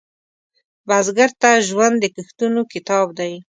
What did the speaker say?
بزګر ته ژوند د کښتونو کتاب دی